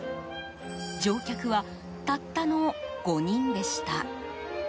乗客は、たったの５人でした。